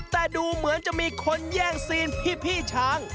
แต่ดูเหมือนจะมีคนแย่งซีนพี่ช้าง